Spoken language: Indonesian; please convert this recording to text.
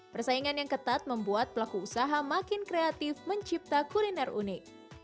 persaingan yang ketat membuat pelaku usaha makin kreatif mencipta kuliner unik